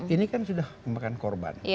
ini kan sudah memakan korban